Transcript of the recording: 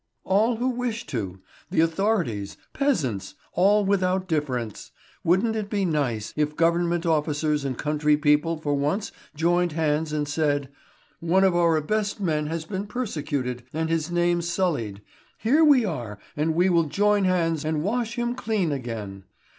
"All who wish to. The authorities, peasants all without difference. Wouldn't it be nice if government officers and country people for once joined hands and said: 'One of our best men has been persecuted, and his name sullied; here we are, and we will join hands and wash him clean again.'